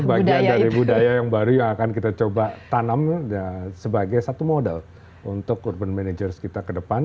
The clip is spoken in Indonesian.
ini bagian dari budaya yang baru yang akan kita coba tanam sebagai satu modal untuk urban managers kita ke depan